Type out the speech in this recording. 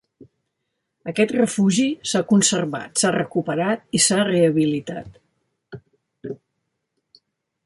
Aquest refugi s’ha conservat, s’ha recuperat i s’ha rehabilitat.